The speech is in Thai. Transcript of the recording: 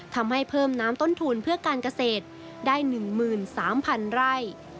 ทำให้เพิ่มน้ำต้นทุนเพื่อการเกษตรได้๑๓๐๐๐ไร่